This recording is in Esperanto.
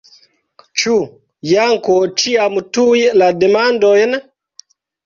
Ĉu Janko ĉiam tuj la demandojn?